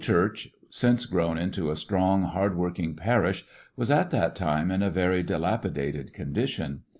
^^^ church, since grown into a strong, hard working parish, was at that time in a very dilapidated condition.